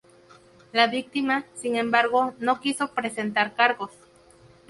La víctima, sin embargo, no quiso presentar cargos.